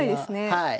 はい。